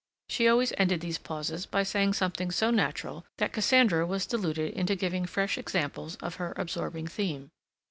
She always ended these pauses by saying something so natural that Cassandra was deluded into giving fresh examples of her absorbing theme.